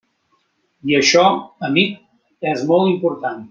I això, amic, és molt important.